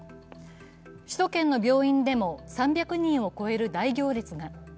首都圏の病院でも、３００人を超える大行列が。